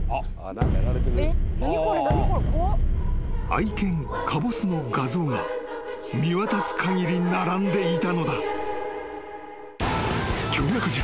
［愛犬かぼすの画像が見渡す限り並んでいたのだ］